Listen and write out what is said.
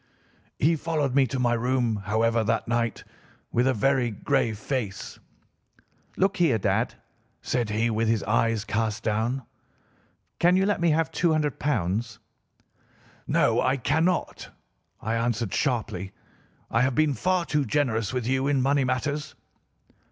He followed me to my room, however, that night with a very grave face. "'Look here, dad,' said he with his eyes cast down, 'can you let me have £ 200?' "'No, I cannot!' I answered sharply. 'I have been far too generous with you in money matters.